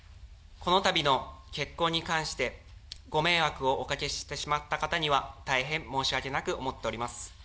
このたびの結婚に関して、ご迷惑をおかけしてしまった方には、大変申し訳なく思っております。